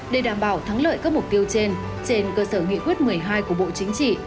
để đảm bảo thắng lợi các mục tiêu trên trên cơ sở nghị quyết một mươi hai của bộ chính trị